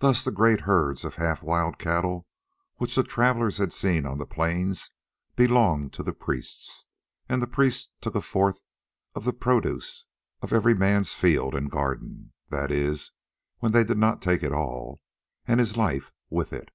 Thus the great herds of half wild cattle which the travellers had seen on the plains belonged to the priests, and the priests took a fourth of the produce of every man's field and garden—that is, when they did not take it all, and his life with it.